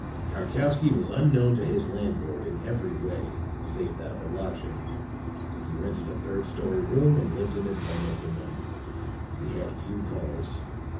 Karkowsky was unknown to his landlord in every way, save that of a lodger. He rented a third story room and lived in it almost a month. He had few callers.